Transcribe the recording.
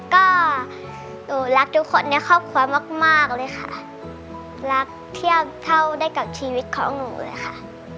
ก็หนูรักทุกคนในครอบครัวมากมากเลยค่ะรักเทียบเท่าได้กับชีวิตของหนูเลยค่ะ